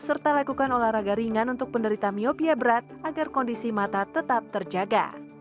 serta lakukan olahraga ringan untuk penderita miopia berat agar kondisi mata tetap terjaga